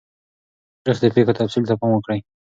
د تاریخ د پیښو تفصیل ته پام وکړئ.